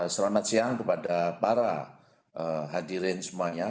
selamat siang kepada para hadirin semuanya